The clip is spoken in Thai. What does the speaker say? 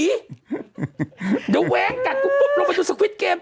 เดี๋ยวแว้งกัดกูปุ๊บลงไปดูสวิตเกม